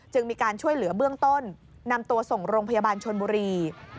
มีการช่วยเหลือเบื้องต้นนำตัวส่งโรงพยาบาลชนบุรี